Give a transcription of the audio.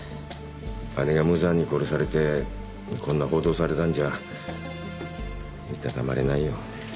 姉が無残に殺されてこんな報道されたんじゃ居たたまれないよ。